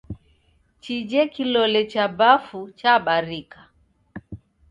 Chije kilole cha bafu chabarika